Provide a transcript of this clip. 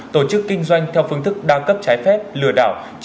tổ chức kinh doanh theo phương thức đa cấp trái phép lừa đảo